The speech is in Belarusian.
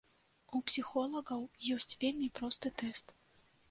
У псіхолагаў ёсць вельмі просты тэст.